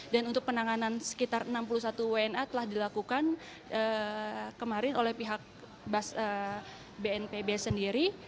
dan untuk penanganan sekitar enam puluh satu wna telah dilakukan kemarin oleh pihak bnpb sendiri